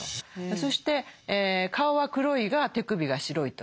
そして顔は黒いが手首が白いと。